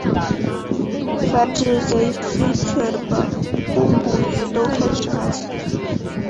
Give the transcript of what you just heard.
繁殖前须确保公母鱼都开始发情。